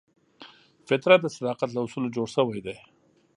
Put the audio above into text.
فطرت د صداقت له اصولو جوړ شوی دی.